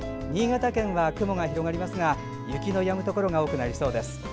新潟県は雲が広がりますが雪のやむところが多くなりそうです。